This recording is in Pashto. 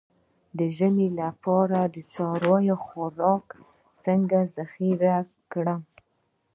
د ژمي لپاره د څارویو خوراک څنګه ذخیره کړم؟